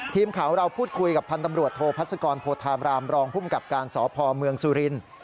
ทีมข่าวเราพูดคุยกับพันธ์ตำรวจโทพัศกรโพธาบรามรองภูมิกับการสพเมืองสุรินทร์